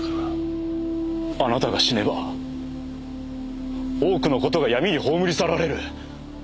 あなたが死ねば多くの事が闇に葬り去られる。